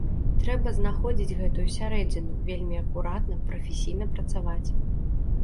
Трэба знаходзіць гэтую сярэдзіну, вельмі акуратна, прафесійна працаваць.